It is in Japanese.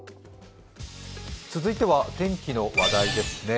続いては天気の話題ですね。